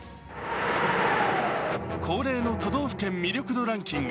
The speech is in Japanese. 恒例の都道府県魅力度ランキング。